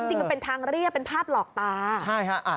จริงมันเป็นทางเรียบเป็นภาพหลอกตาใช่ฮะ